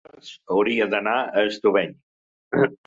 Dimarts hauria d'anar a Estubeny.